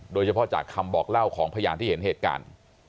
โดยเฉพาะจากคำบอกเล่าของพยานที่เห็นเหตุการณ์